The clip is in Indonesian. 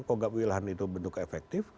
kogak wilayah itu bentuk efektif